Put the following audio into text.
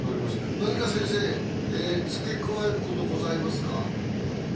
何か付け加えることございますか？